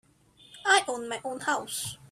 I own my own house.